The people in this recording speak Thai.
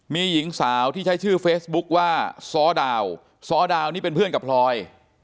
มีหญิงสาวที่ใช้ชื่อเฟซบุ๊คว่าซ้อดาวซ้อดาวนี่เป็นเพื่อนกับพลอย